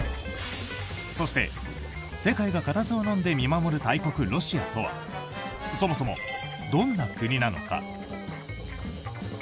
そして、世界がかたずをのんで見守る大国、ロシアとはそもそもどんな国なのか？